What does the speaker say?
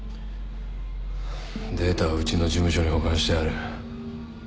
データはうちの事務所に保管してある。